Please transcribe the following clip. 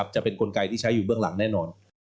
จะเป็นกลไกที่ใช้อยู่เบื้องหลังแน่นอน